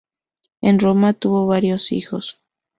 En Roma tuvo varios hijos.